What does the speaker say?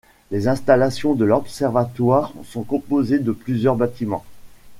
Les installations de l'observatoire sont composées de plusieurs bâtiments.